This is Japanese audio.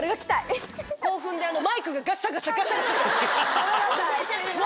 ごめんなさい。